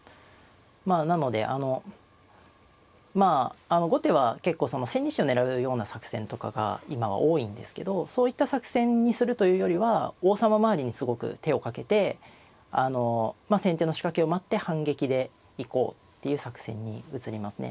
まあなのであのまあ後手は結構その千日手を狙うような作戦とかが今は多いんですけどそういった作戦にするというよりは王様周りにすごく手をかけてあのまあ先手の仕掛けを待って反撃で行こうっていう作戦に映りますね。